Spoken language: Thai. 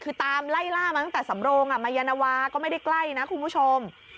คือตามไล่ล่ามาตั้งแต่สำโรงมายานวาก็ไม่ได้ใกล้นะคุณผู้ชม